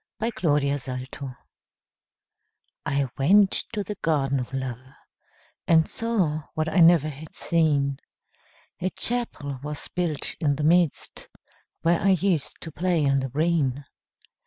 THE GARDEN OF LOVE I went to the Garden of Love, And saw what I never had seen; A Chapel was built in the midst, Where I used to play on the green.